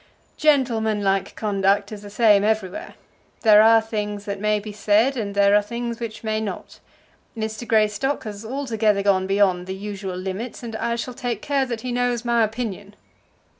"Gentleman like conduct is the same everywhere. There are things that may be said and there are things which may not. Mr. Greystock has altogether gone beyond the usual limits, and I shall take care that he knows my opinion."